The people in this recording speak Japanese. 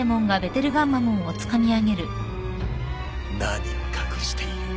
何を隠している？